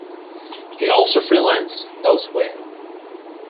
He also freelanced elsewhere.